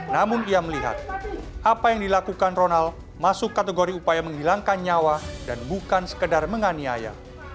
namun ia melihat apa yang dilakukan ronald masuk kategori upaya menghilangkan nyawa dan bukan sekedar menganiaya